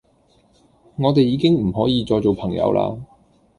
我哋已經唔可以再做朋友啦